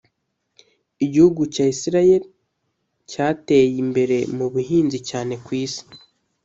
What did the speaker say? Igihugu cya Israel cyateye imbere mu buhinzi cyane ku Isi